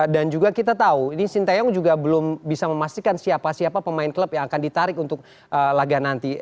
dan juga kita tahu ini sinteyong juga belum bisa memastikan siapa siapa pemain klub yang akan ditarik untuk laga nanti